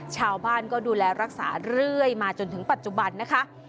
ชาวบ้านก็ดูแลรักษาเรื่อยมาจนถึงปัจจุบันนะคะ